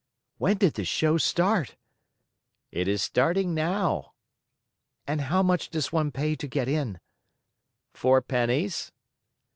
"When did the show start?" "It is starting now." "And how much does one pay to get in?" "Four pennies."